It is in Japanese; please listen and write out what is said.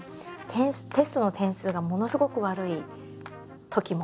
テストの点数がものすごく悪いときもあって。